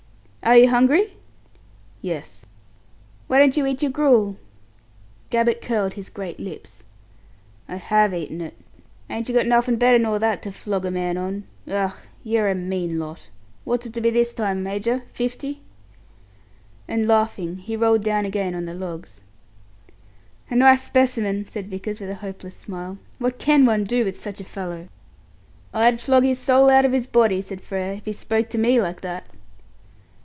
"Are you hungry?" "Yes." "Why don't you eat your gruel?" Gabbett curled his great lips. "I have eaten it. Ain't yer got nuffin' better nor that to flog a man on? Ugh! yer a mean lot! Wot's it to be this time, Major? Fifty?" And laughing, he rolled down again on the logs. "A nice specimen!" said Vickers, with a hopeless smile. "What can one do with such a fellow?" "I'd flog his soul out of his body," said Frere, "if he spoke to me like that!"